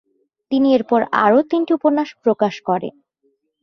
তিনি এরপর আরো তিনটি উপন্যাস প্রকাশ করেন।